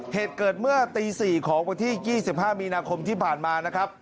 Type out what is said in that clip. เหตุเกิดเมื่อตี๔ของวันที่๒๕มีนาคมที่ผ่านมานะครับ